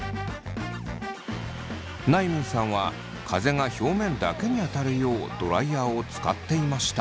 なゆみんさんは風が表面だけに当たるようドライヤーを使っていました。